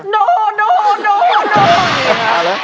โดโดโดนะเลย